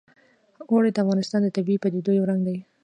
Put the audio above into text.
اوړي د افغانستان د طبیعي پدیدو یو رنګ دی.